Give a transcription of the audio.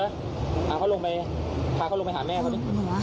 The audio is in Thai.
เอาเขาลงไปพาเขาลงไปหาแม่เขาดิ